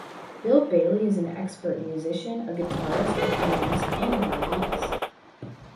Bill Bailey is an expert musician, a guitarist, a pianist and a violinist.